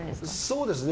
そうですね。